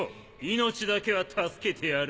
命だけは助けてやる。